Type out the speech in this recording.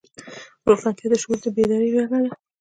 روښانتیا د شعور د بیدارۍ بڼه ده.